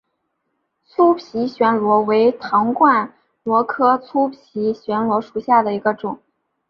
粗皮鬘螺为唐冠螺科粗皮鬘螺属下的一个种。